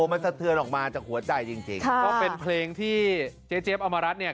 มันสะเทือนออกมาจากหัวใจจริงก็เป็นเพลงที่เจ๊เจี๊ยบอมรัฐเนี่ย